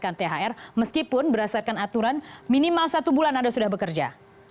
mendapatkan thr meskipun berdasarkan aturan minimal satu bulan anda sudah bekerja